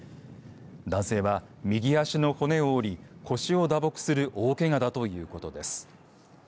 男性は右足の骨を折り腰を打撲する大けがだということです。